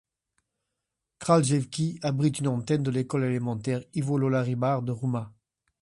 Kraljevci abrite une antenne de l'école élémentaire Ivo Lola Ribar de Ruma.